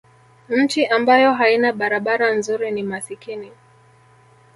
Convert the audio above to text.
nchi ambayo haina barabara nzuri ni masikini